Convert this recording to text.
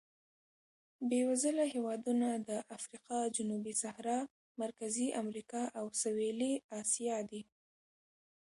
بېوزله هېوادونه د افریقا جنوبي صحرا، مرکزي امریکا او سوېلي اسیا دي.